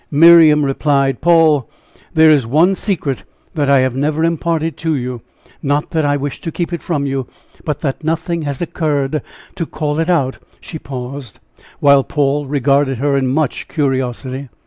Miriam replied: "Paul, there is one secret that I have never imparted to you not that I wished to keep it from you, but that nothing has occurred to call it out " She paused, while Paul regarded her in much curiosity.